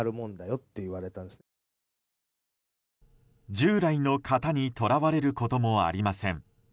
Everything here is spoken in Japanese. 従来の型にとらわれることもありません。